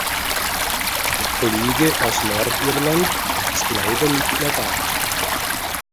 Der Kollege aus Nordirland ist leider nicht mehr da.